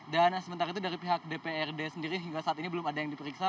dan sementara itu dari pihak dprd sendiri hingga saat ini belum ada yang diperiksa